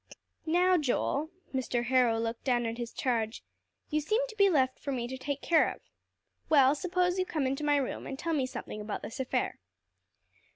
"Now, Joel," Mr. Harrow looked down at his charge, "you seem to be left for me to take care of. Well, suppose you come into my room, and tell me something about this affair."